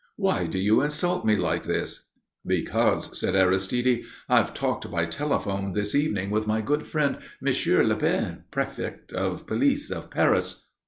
"Why do you insult me like this?" "Because," said Aristide, "I've talked by telephone this evening with my good friend Monsieur Lepine, Prefect of Police of Paris."